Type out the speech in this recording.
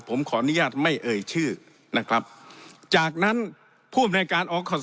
ผมขออนุญาตไม่เอ่ยชื่อนะครับจากนั้นผู้อำนวยการอคศ